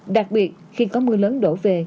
đặc biệt khi có mưa lớn đổ về